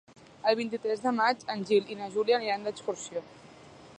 El vint-i-tres de maig en Gil i na Júlia aniran d'excursió.